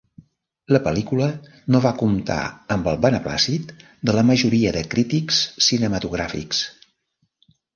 La pel·lícula no va comptar amb el beneplàcit de la majoria de crítics cinematogràfics.